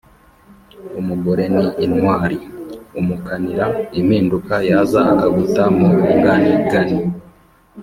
Umugore ni intwari, umukanira ----- impinduka yaza akaguta mu nganigani.